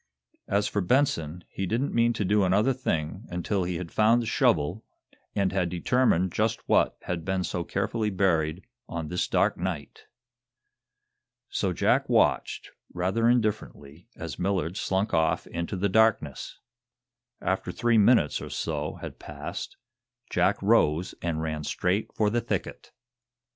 As for Benson, he didn't mean to do another thing until he had found the shovel, and had determined just what had been so carefully buried on this dark night! So Jack watched, rather indifferently, as Millard slunk off into the darkness. After three minutes or so had passed, Jack rose and ran straight for the thicket.